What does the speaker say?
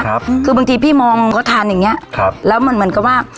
คือบางทีพี่มองเขาทันอย่างเงี้ครับแล้วมันเหมือนกับว่า